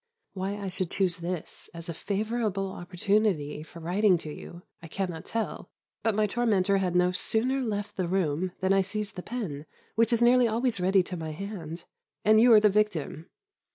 Why I should choose this as a favourable opportunity for writing to you I cannot tell, but my tormentor had no sooner left the room than I seized the pen, which is nearly always ready to my hand, and you are the victim.